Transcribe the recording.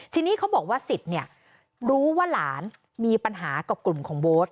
ทีนี้เขาบอกว่าศิษย์เนี่ยรู้ว่าหลานมีปัญหากับกลุ่มของโบสถ์